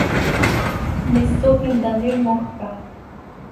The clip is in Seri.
¿Misoj intamímojca?